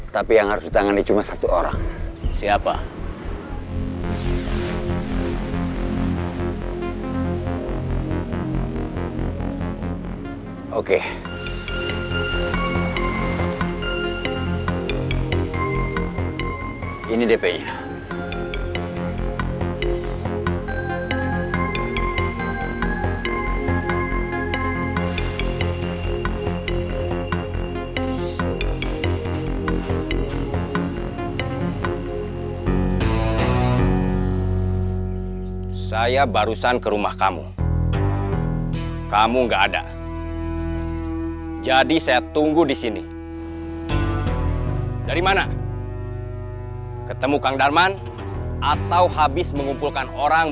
tapi yang harus ditangani cuma satu orang